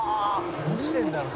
「どうしてるんだろう？